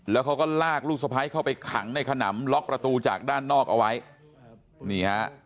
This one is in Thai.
แล้วเขาก็ลากลูกสะพ้ายเข้าไปขังในขนำล็อกประตูจากด้านนอกเอาไว้นี่ฮะ